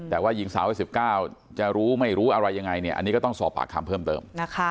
แต่ว่าหญิงสาววัย๑๙จะรู้ไม่รู้อะไรยังไงเนี่ยอันนี้ก็ต้องสอบปากคำเพิ่มเติม